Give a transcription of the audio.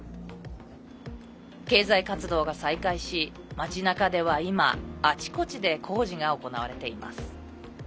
経済活動が再開し、町なかでは今あちこちで工事が行われています。